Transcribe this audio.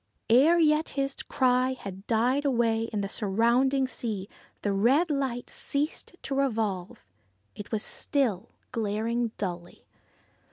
Ere yet his cry had died away on the surrounding sea the red light ceased to revolve. It was still, glaring dully.